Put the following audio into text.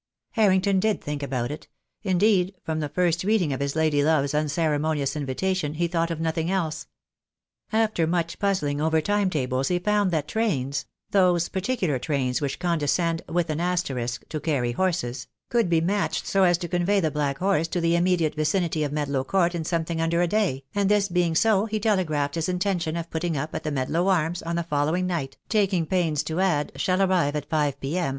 Harrington did think about it — indeed, from the first reading of his lady love's unceremonious invitation he thought of nothing else. After much puzzling over time tables he found that trains — those particular trains which condescend, with an asterisk, to carry horses — could be matched so as to convey the black horse to the immediate vicinity of Medlow Court in something under a day, and this being so he telegraphed his intention of putting up at the "Medlow Arms" on the following night, taking pains to add "Shall arrive at five p.m.